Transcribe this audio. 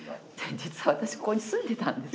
実は私ここに住んでたんです。